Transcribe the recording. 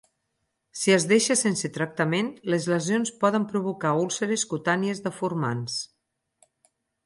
Si es deixa sense tractament, les lesions poden provocar úlceres cutànies deformants.